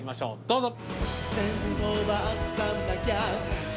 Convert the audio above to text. どうぞ。